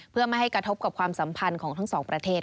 เพื่อไม่ให้กระทบกับความสัมพันธ์ของทั้งสองประเทศ